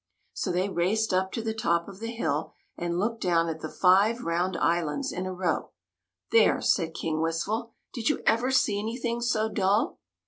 So they raced up to the top of the hill and looked down at the five round islands in a row. " There !" said King Wistful. " Did you ever see anything so dull?"